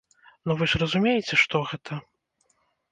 Ну вы ж разумееце, што гэта?